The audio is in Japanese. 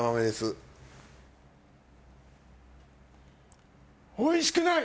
あっおいしくない？